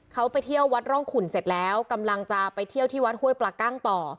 เขาไปเที่ยววัดร่องขุนเสร็จแล้วกำลังจะไปเที่ยวที่วัดห้วยปลากั้งต่อ